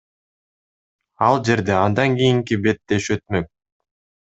Ал жерде андан кийинки беттеш өтмөк.